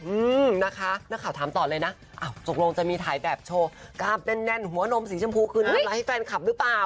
อืมนะคะนักข่าวถามต่อเลยนะอ้าวตกลงจะมีถ่ายแบบโชว์กราฟแน่นแน่นหัวนมสีชมพูคืนน้ำลายให้แฟนคลับหรือเปล่า